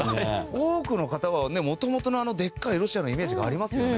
多くの方はね元々のでっかいロシアのイメージがありますよね。